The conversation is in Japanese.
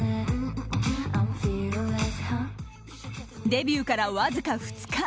デビューからわずか２日。